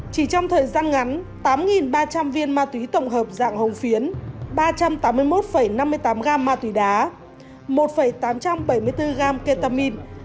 chỉ trong thời gian ngắn tám ba trăm linh viên ma túy tổng hợp dạng hồng phiến ba trăm tám mươi một năm mươi tám gam ma túy đá một tám trăm bảy mươi bốn gram ketamine